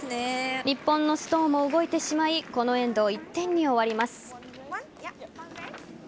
日本のストーンも動いてしまいこのエンド、１点に終わります。